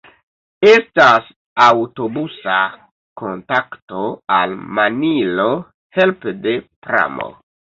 Estas aŭtobusa kontakto al Manilo helpe de pramo.